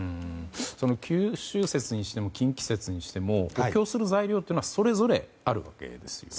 九州説にしても近畿説にしても補強する材料はそれぞれあるわけですよね。